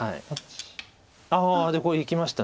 ああこれでいきました。